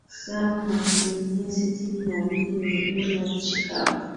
sawa na asilimia sitini na nne ni eneo la nchi kavu